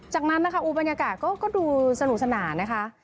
จากนั้นนะคะบรรยากาศก็ดูสนุกสนานนะคะ